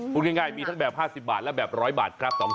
พูดง่ายมีทั้งแบบ๕๐บาทและแบบ๑๐๐บาทครับ